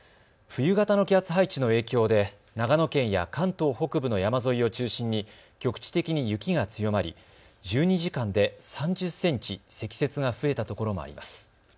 冬型の気圧配置の影響で長野県や関東北部の山沿いを中心に局地的に雪が強まり１２時間で３０センチ積雪が増えたところもあります。